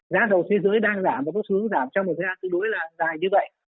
giá dầu thế giới đang giảm và có xu hướng giảm trong một thời gian tương đối là dài như vậy